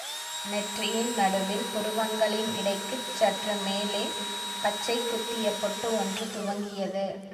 நெற்றியின் நடுவில் புருவங்களின் இடைக்குச் சற்று மேலே பச்சை குத்திய பொட்டு ஒன்று துவங்கியது.